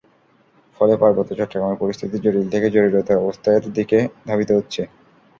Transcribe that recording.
ফলে পার্বত্য চট্টগ্রামের পরিস্থিতি জটিল থেকে জটিলতর অবস্থার দিকে ধাবিত হচ্ছে।